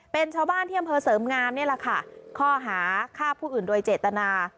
เป็นชาวบ้านที่อำเภอเสริมงามนี่แหละค่ะข้อหาฆ่าผู้อื่นโดยเจตนา